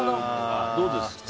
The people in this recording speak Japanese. どうですか？